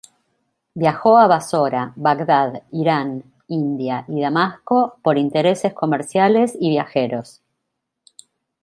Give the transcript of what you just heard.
Viajó a Basora, Bagdad, Irán, India y Damasco, por intereses comerciales y viajeros.